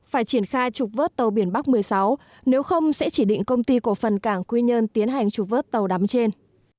phải triển khai trục vớt tàu biển bắc một mươi sáu nếu không sẽ chỉ định công ty cổ phần cảng quy nhơn tiến hành trục vớt tàu đắm trên